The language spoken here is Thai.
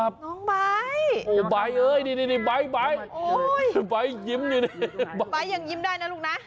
น้องใบ๊โอ้ใบ๊ใบ๊ใบ๊ยิ้มอยู่ใบ๊ยิ้มได้นะลูกนะ